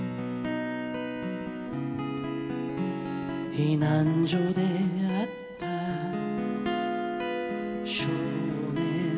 「避難所で会った少年は」